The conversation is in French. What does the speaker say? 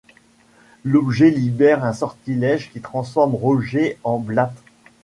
L'objet libère un sortilège qui transforme Roger en blatte.